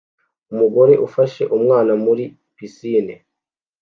Umugore ufasha umwana muri pisine